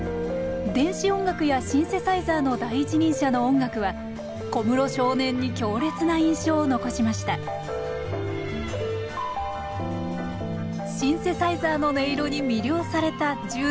電子音楽やシンセサイザーの第一人者の音楽は小室少年に強烈な印象を残しましたシンセサイザーの音色に魅了された１０代の小室さん。